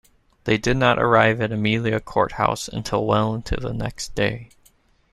They did not arrive at Amelia Court House until well into the next day.